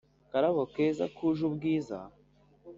Karabo keza kuje ubwiza